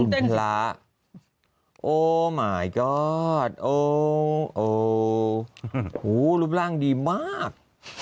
เป็นพระโอ้หมายกอดโอ้โอ้โหรูปร่างดีมาก